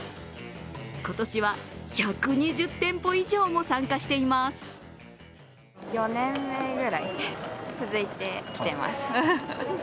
今年は、１２０店舗以上も参加しています。